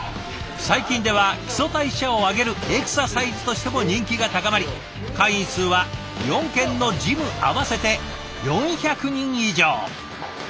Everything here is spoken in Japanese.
最近では基礎代謝を上げるエクササイズとしても人気が高まり会員数は４軒のジム合わせて４００人以上。